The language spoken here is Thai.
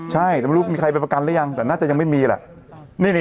ใช่แต่ไม่รู้มีใครไปประกันหรือยังแต่น่าจะยังไม่มีแหละ